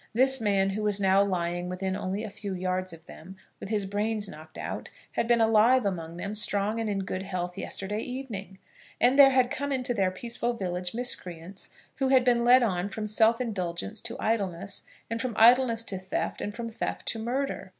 This man who was now lying within only a few yards of them, with his brains knocked out, had been alive among them, strong and in good health, yesterday evening! And there had come into their peaceful village miscreants who had been led on from self indulgence to idleness, and from idleness to theft, and from theft to murder!